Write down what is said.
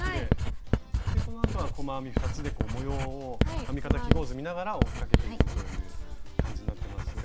このあとは細編み２つで模様を編み方記号図見ながら追っかけていくという感じになってますが。